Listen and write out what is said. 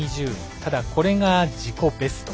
ただ、これが自己ベスト。